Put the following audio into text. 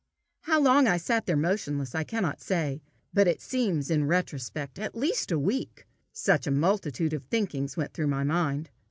How long I sat there motionless, I cannot say, but it seems in retrospect at least a week, such a multitude of thinkings went through my mind.